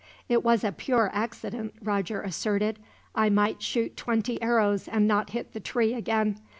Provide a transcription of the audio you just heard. "It was a pure accident," Roger asserted. "I might shoot twenty arrows, and not hit the tree again.